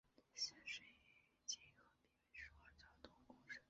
现时已经合并为首尔交通公社一部分。